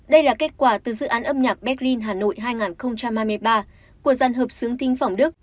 đây là kết quả từ dự án âm nhạc berlin hà nội hai nghìn hai mươi ba của gian hợp sướng thính phòng đức